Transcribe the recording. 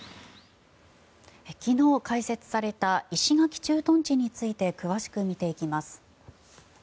昨日、開設された石垣駐屯地について詳しく見ていきます。